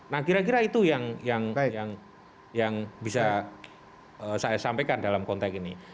nah kira kira itu yang bisa saya sampaikan dalam konteks ini